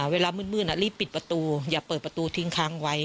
เวลามืดรีบปิดประตูอย่าเปิดประตูทิ้งค้างไว้